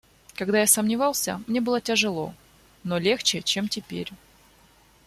Когда я сомневался, мне было тяжело, но легче, чем теперь.